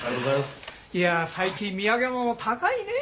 いやぁ最近土産物も高いねぇ。